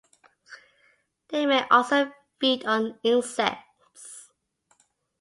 They may also feed on insects.